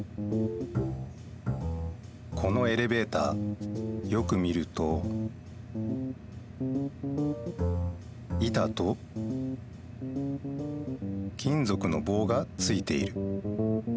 このエレベーターよく見ると板と金ぞくの棒がついている。